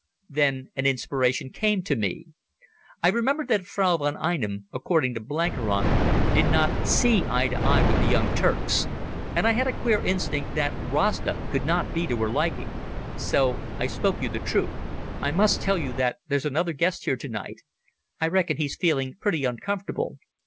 Then an inspiration came to me. I remembered that Frau von Einem, according to Blenkiron, did not see eye to eye with the Young Turks; and I had a queer instinct that Rasta could not be to her liking. So I spoke the truth. "I must tell you that there's another guest here tonight. I reckon he's feeling pretty uncomfortable.